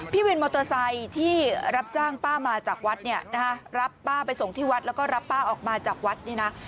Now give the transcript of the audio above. วินมอเตอร์ไซค์ที่รับจ้างป้ามาจากวัดเนี่ยนะฮะรับป้าไปส่งที่วัดแล้วก็รับป้าออกมาจากวัดนี่นะ